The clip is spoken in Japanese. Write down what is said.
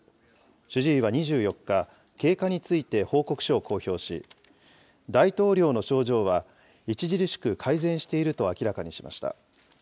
主治医は２４日、経過について報告書を公表し、大統領の症状は著しく改善していると明らかにしました。